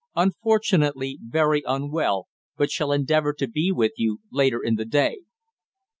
Unfortunately very unwell, but shall endeavour to be with you later in the day."